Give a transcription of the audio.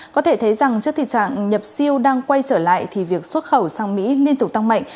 có thể thấy rằng trước tình trạng nhập siêu đang quay trở lại thì việc xuất khẩu sang mỹ liên tục tăng mạnh